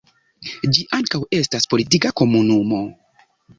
Ĝi ankaŭ estas politika komunumo.